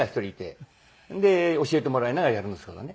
教えてもらいながらやるんですけどね。